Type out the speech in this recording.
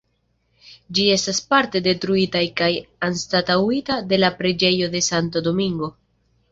Ĝi estas parte detruita kaj anstataŭita de la preĝejo de Santo Domingo.